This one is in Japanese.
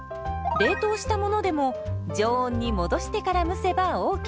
冷凍したものでも常温に戻してから蒸せばＯＫ。